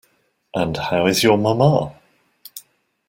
And how is your mama?